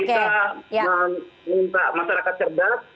kita minta masyarakat cerdas